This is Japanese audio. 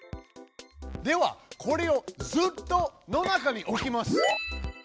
ではこれを「ずっと」の中に置きます！